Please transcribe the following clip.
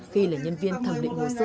khi là nhân viên thẩm định hồ sơ